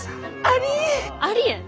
ありえん。